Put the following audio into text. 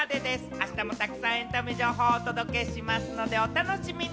あしたも、たくさんエンタメ情報をお届けしますので、お楽しみに。